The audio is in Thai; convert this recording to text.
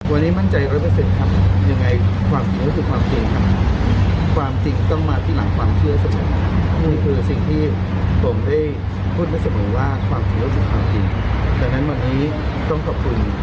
วันนี้มั่นใจเนื่องเป็นเสนงครับ